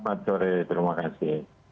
selamat sore terima kasih